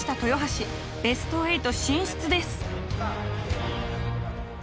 ベスト８進出です。